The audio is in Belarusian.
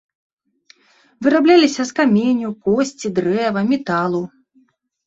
Вырабляліся з каменю, косці, дрэва, металу.